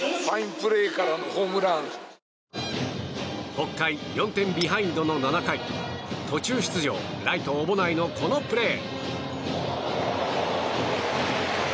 北海４点ビハインドの７回途中出場ライト小保内の、このプレー。